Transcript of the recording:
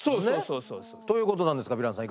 そうそう。ということなんですがヴィランさん